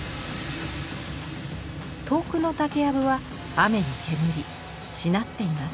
遠くの竹やぶは雨にけむりしなっています。